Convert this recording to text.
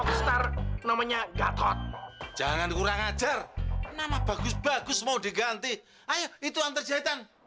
besar namanya gatot jangan kurang ajar nama bagus bagus mau diganti ayo itu yang terjadi